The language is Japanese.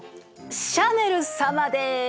シャネル様です！